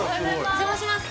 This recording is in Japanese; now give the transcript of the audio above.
お邪魔します